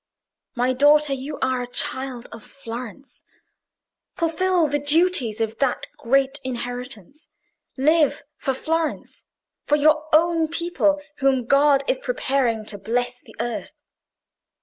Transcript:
My daughter, you are a child of Florence; fulfil the duties of that great inheritance. Live for Florence—for your own people, whom God is preparing to bless the earth.